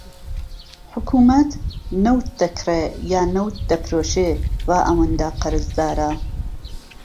حکومەت نەوت دەکڕێ یان نەوت دەفرۆشێ وا ئەوەندە قەرزدارە